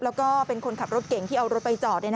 แล้วก็เป็นคนขับรถเก่งที่เอารถไปจอด